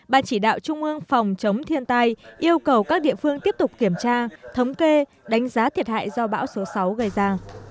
ban chỉ đạo trung ương phòng chống thiên tai yêu cầu các địa phương tiếp tục kiểm tra thống kê đánh giá thiệt hại do bão số sáu gây ra